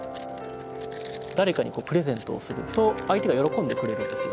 誰かにプレゼントをすると相手が喜んでくれるんですよ。